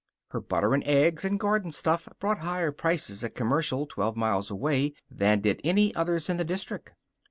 Her butter and eggs and garden stuff brought higher prices at Commercial, twelve miles away, than did any other's in the district.